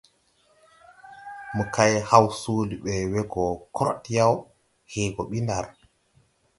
Mo kay haw soole ɓe we go krod yaw, hee gɔ ɓi ndar.